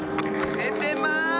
ねてます！